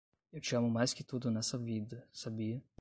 Eu te amo mais que tudo nessa vida, sabia?